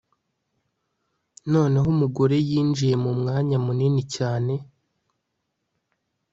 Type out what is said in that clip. noneho umugore yinjiye mumwanya munini cyane